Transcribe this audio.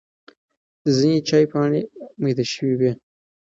ځینې چای پاڼې مېده شوې وي.